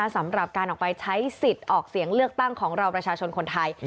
สำหรับการออกไปใช้สิทธิ์ออกเสียงเลือกตั้งของเราประชาชนคนไทย